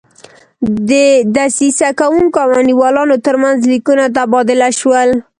د دسیسه کوونکو او انډیوالانو ترمنځ لیکونه تبادله شول.